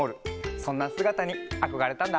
そんなすがたにあこがれたんだ。